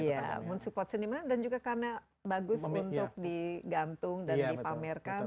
iya men support senimannya dan juga karena bagus untuk digantung dan dipamerkan